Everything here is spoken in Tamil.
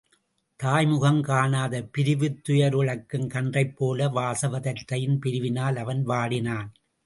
தாய்முகங் காணாது பிரிவுத் துயருழக்கும் கன்றைப்போல வாசவதத்தையின் பிரிவினால் அவன் வாடினான்.